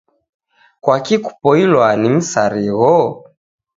Kwaki kupoilwa ni misarigho?